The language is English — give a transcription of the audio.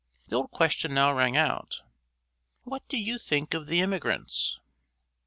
The old question now rang out: "What do you think of the immigrants?"